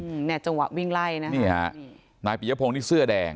อืมเนี่ยจังหวะวิ่งไล่นะคะนี่ฮะนายปิยพงศ์นี่เสื้อแดง